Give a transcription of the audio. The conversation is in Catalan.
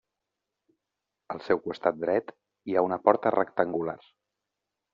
Al seu costat dret hi ha una porta rectangular.